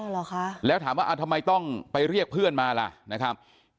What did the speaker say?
เหรอคะแล้วถามว่าทำไมต้องไปเรียกเพื่อนมาล่ะนะครับ